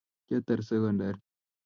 kiatar sekondar